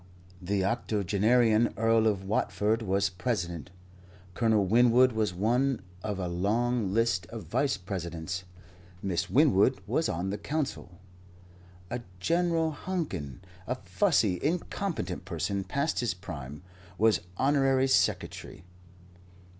The octogenarian Earl of Watford was President; Colonel Winwood was one of a long list of Vice Presidents; Miss Winwood was on the Council; a General Hankin, a fussy, incompetent person past his prime, was Honorary Secretary.